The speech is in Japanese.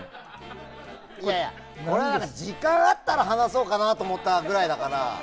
いやいやこれは時間があったら話そうかなと思ったぐらいだから。